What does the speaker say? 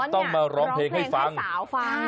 ต้องมาร้องเพลงให้ฟังสาวฟัง